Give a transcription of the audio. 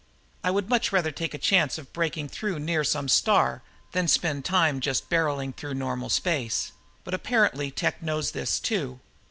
I would much rather take a chance of breaking through near some star than spend time just barreling through normal space, but apparently Tech knows this, too.